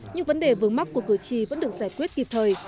nhưng vấn đề vướng mắc của cử tri vẫn được giải quyết kịp thời